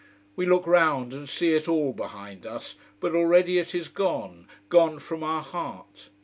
We look round, and see it all behind us but already it is gone, gone from our heart.